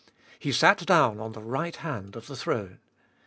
He sat down on the right hand of the throne.